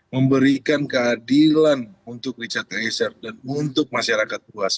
memberikan keadilan untuk richard eliezer dan untuk masyarakat luas